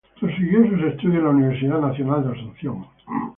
Prosiguió sus estudios en la Universidad Nacional de Asunción.